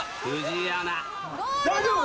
大丈夫？